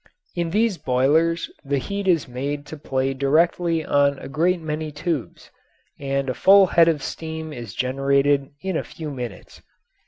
In these boilers the heat is made to play directly on a great many tubes, and a full head of steam is generated in a few minutes.